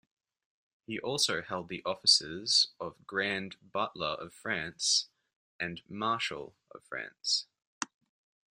He also held the offices of Grand Butler of France and Marshal of France.